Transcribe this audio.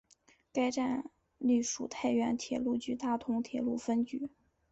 该站隶属太原铁路局大同铁路分局。